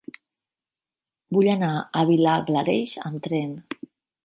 Vull anar a Vilablareix amb tren.